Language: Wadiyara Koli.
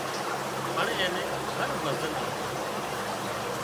پڻ اين نين هر ڀزن آوتان